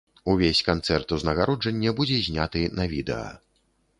Увесь канцэрт-узнагароджанне будзе зняты на відэа.